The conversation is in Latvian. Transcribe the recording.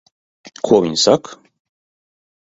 Ko viņi saka?